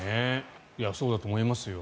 そうだと思います。